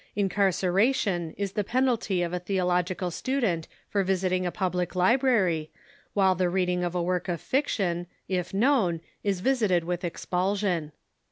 In carceration is the penalty of a theological student for visit ing a public library, while the reading of a Avork of fiction, if known, is visited with expulsion.